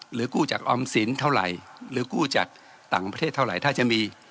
กู้จากออมสินเท่าไหร่หรือกู้จากต่างประเทศเท่าไหร่ถ้าจะมี